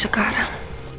siapa lagi sekarang